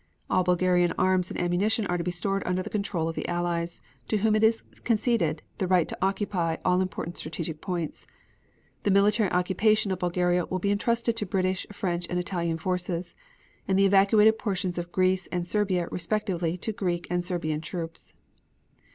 All Bulgarian arms and ammunition are to be stored under the control of the Allies, to whom is conceded the right to occupy all important strategic points. The military occupation of Bulgaria will be entrusted to British, French and Italian forces, and the evacuated portions of Greece and Serbia, respectively, to Greek and Serbian troops.